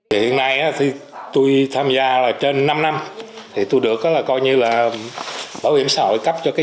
hiện nay thì tôi tham gia là trên năm năm thì tôi được là coi như là bảo hiểm xã hội cấp cho cái